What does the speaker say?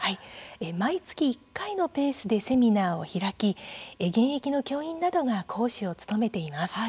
毎月１回のペースでセミナーを開き現役の教員などが講師を務めています。